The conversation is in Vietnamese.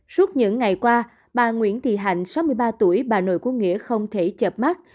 suốt những ngày qua bà nguyễn thị hạnh sáu mươi ba tuổi bà nội của nghĩa không thể chập mắt